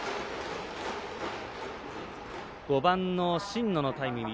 ５番の新野のタイムリー。